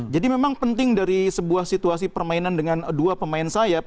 jadi memang penting dari sebuah situasi permainan dengan dua pemain sayap